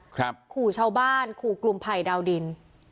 ครับขู่ชาวบ้านขู่กลุ่มไผ่ดาวดิน